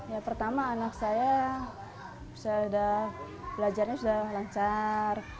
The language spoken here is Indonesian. ya pertama anak saya belajarnya sudah lancar